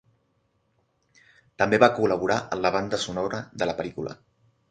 També va col·laborar en la banda sonora de la pel·lícula.